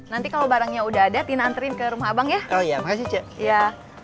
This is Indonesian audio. nanti kalau barangnya udah ada tina antri ke rumah abang ya oh ya makasih ya